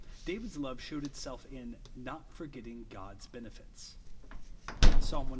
Bavid's love shewed iiself in "not forgetting God's benefits^" (Psa. ciii.